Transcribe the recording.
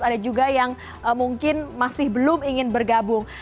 ada juga yang mungkin masih belum ingin bergabung